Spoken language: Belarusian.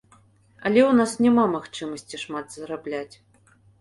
Але ў нас няма магчымасці шмат зарабляць.